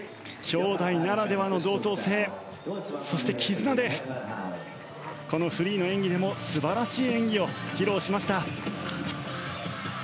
姉弟ならではの同調性そして、絆でこのフリーの演技でも素晴らしい演技を披露しました。